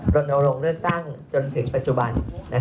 รณรงค์เลือกตั้งจนถึงปัจจุบัน